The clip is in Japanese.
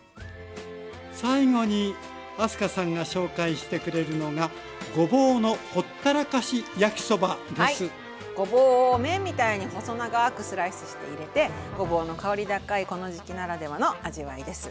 最後に明日香さんが紹介してくれるのがはいごぼうを麺みたいに細長くスライスして入れてごぼうの香り高いこの時期ならではの味わいです。